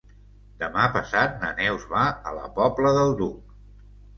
Demà passat na Neus va a la Pobla del Duc.